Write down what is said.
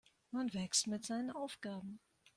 Man wächst mit seinen Aufgaben.